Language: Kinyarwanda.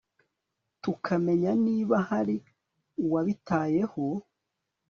kutamenya niba hari uwabitayeho